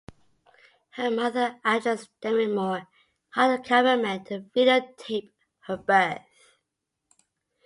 Her mother, actress Demi Moore, hired a cameraman to videotape her birth.